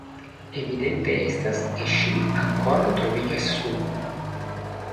Evidente estas, ke ŝi ankoraŭ troviĝas sub.